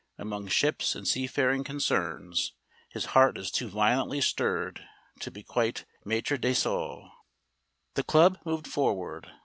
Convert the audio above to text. Among ships and seafaring concerns his heart is too violently stirred to be quite maître de soi. The club moved forward.